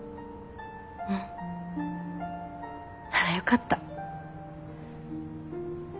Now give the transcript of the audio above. うん。ならよかった。